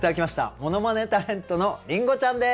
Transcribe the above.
ものまねタレントのりんごちゃんです。